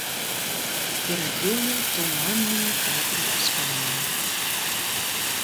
Перад ёю туманныя кадры ўспамінаў.